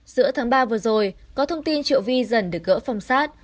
giữa tháng ba vừa rồi có thông tin triệu vi dần được gỡ phòng sát